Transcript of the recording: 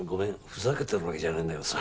ふざけてるわけじゃないんだけどさ。